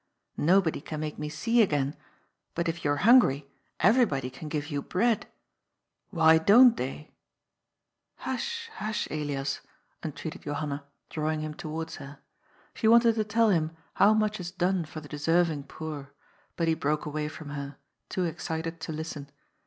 Nobody can make me see again, but if you're hungry, every body can give you bread. Why don't they ?"" Hush, hush, Elias," entreated Johanna drawing him towards her. She wanted to tell him how much is done for the deserving poor, but he broke away from her, too excited to listen.